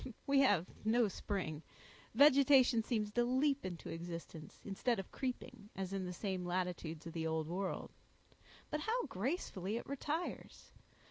We have no spring; vegetation seems to leap into existence, instead of creeping, as in the same latitudes of the Old World; but how gracefully it retires!